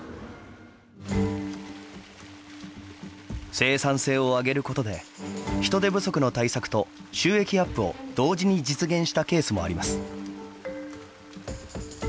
生産性を上げることで人手不足の対策と収益アップを同時に実現したケースもあります。